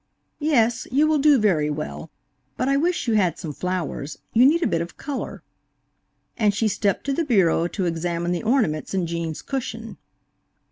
"Yes, you will do very well, but I wish you had some flowers–you need a bit of color;".and she stepped to the bureau to examine the ornaments in Gene's cushion.